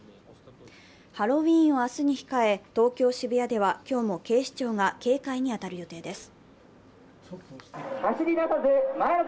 ハロウィーンを明日に控え東京・渋谷では今日も警視庁が警戒に当たる予定です。